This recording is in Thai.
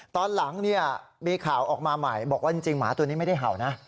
ตอนหลังเนี่ยมีข่าวออกมาใหม่บอกว่าจริงหมาตัวนี้ไม่ได้เห่านะ